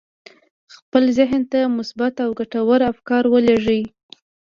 خپل ذهن ته مثبت او ګټور افکار ولېږئ.